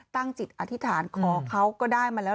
ตั้งจิตอธิษฐานขอเขาก็ได้มาแล้ว